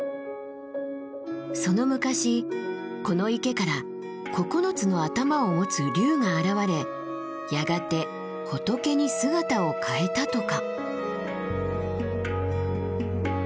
その昔この池から９つの頭を持つ龍が現れやがて仏に姿を変えたとか。